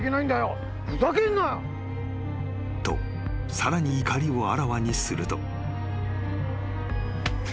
さらに怒りをあらわにすると］